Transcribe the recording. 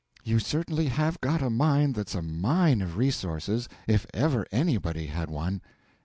You certainly have got a mind that's a mine of resources, if ever anybody had one.